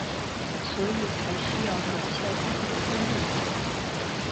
所以才需要转校重读中五。